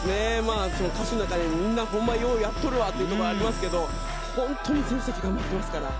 歌詞の中にもみんなようほんまやっとるわとありますけど、本当に選手たち頑張ってますからね。